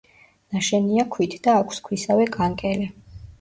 ნაშენია ქვით და აქვს ქვისავე კანკელი.